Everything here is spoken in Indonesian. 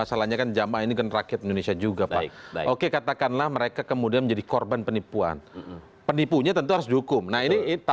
agar clear bagaimana